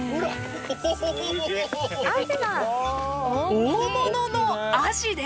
大物のアジです。